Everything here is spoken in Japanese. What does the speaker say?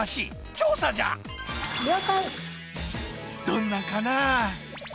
どんなかな。